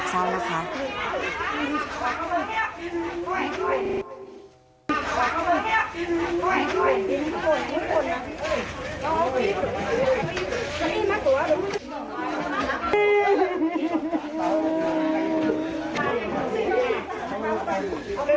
ยายถามนิ่งแต่เจ็บลึกถึงใจนะ